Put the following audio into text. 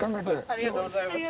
ありがとうございます。